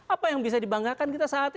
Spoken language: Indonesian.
apa yang bisa dibanggakan kita saat ini